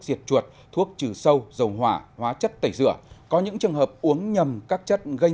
diệt chuột thuốc trừ sâu dầu hỏa hóa chất tẩy rửa có những trường hợp uống nhầm các chất gây